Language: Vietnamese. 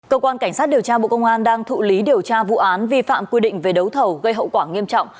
cơ quan cảnh sát điều tra bộ công an đang thụ lý điều tra vụ án vi phạm quy định về đấu thầu gây hậu quả nghiêm trọng